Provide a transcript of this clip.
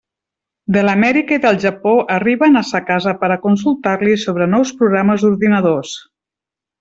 De l'Amèrica i del Japó arriben a sa casa per a consultar-li sobre nous programes d'ordinadors.